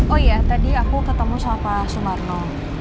oh iya tadi aku ketemu sama pak sumarno